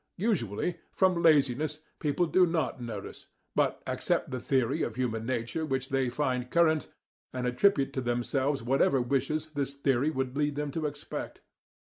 Usually, from laziness, people do not notice, but accept the theory of human nature which they find current, and attribute to themselves whatever wishes this theory would lead them to expect.